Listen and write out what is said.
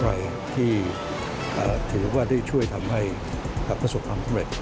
อะไรที่ถือว่าได้ช่วยทำให้ประสบความสำเร็จ